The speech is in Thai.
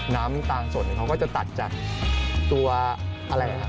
น้ำตาลสดเขาก็จะตัดจากตัวอะไรนะครับ